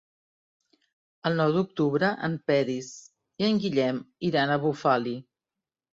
El nou d'octubre en Peris i en Guillem iran a Bufali.